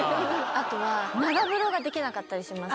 あとは、長風呂ができなかったりします。